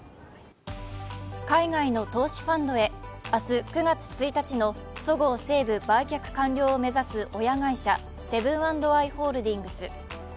海外の投資ファンドへ、明日９月１日のそごう・西武売却完了を目指す親会社、セブン＆アイ・ホールディングス。